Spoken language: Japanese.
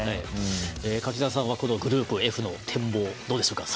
柿澤さんは、グループＦの展望どうでしょうか？